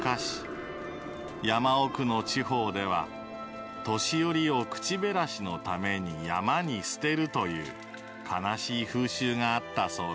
［山奥の地方では年寄りを口減らしのために山に捨てるという悲しい風習があったそうな］